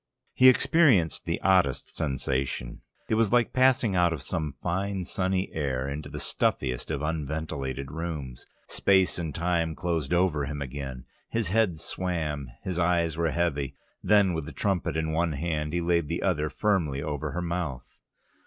He experienced the oddest sensation. It was like passing out of some fine, sunny air into the stuffiest of unventilated rooms. Space and time closed over him again: his head swam, his eyes were heavy. Then, with the trumpet in one hand, he laid the other firmly over her mouth.